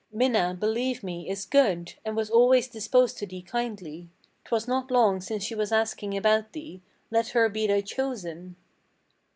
Minna, believe me, is good, and was always disposed to thee kindly. 'Twas not long since she was asking about thee. Let her be thy chosen!"